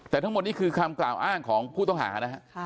แต่ทั้งหมดนี้คือคำกล่าวอ้างของผู้ต้องหานะฮะ